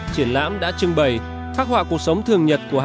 triển lãm đã trưng bày khắc họa cuộc sống thường nhật của hà nội